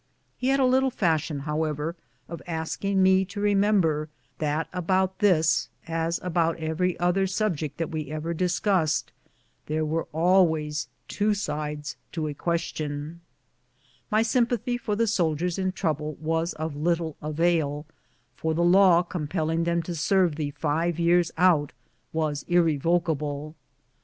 He had a little fashion, however, of asking me to remember that about this, as about every other sub ject that we ever discussed, "there were always two sides to a question." My sympathy for the soldiers in trou OUR NEW HOME AT FORT LINCOLN. 103 ble was of little avail, for the law compelling them to serve the five years out was irrevocable.